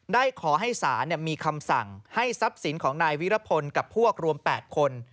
ได้ขอให้ศาลมีคำสั่งให้ทรัพย์สินของนายวิรพลกับพวกรวม๘คน